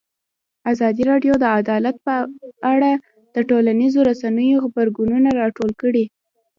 ازادي راډیو د عدالت په اړه د ټولنیزو رسنیو غبرګونونه راټول کړي.